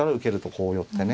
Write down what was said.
こう寄ってね。